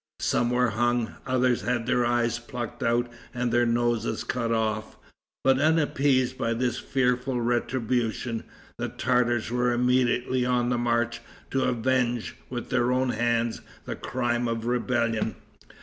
Some were hung; others had their eyes plucked out and their noses cut off. But, unappeased by this fearful retribution, the Tartars were immediately on the march to avenge, with their own hands, the crime of rebellion.